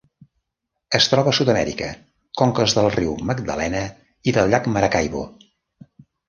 Es troba a Sud-amèrica: conques del riu Magdalena i del llac Maracaibo.